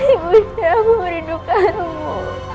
ibunda aku merindukanmu